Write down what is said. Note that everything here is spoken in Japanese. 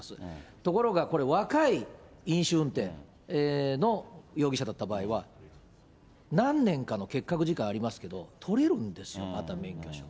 ところがこれ、若い飲酒運転の容疑者だった場合は、何年かの欠格時間ありますけど、取れるんですよ、また免許証。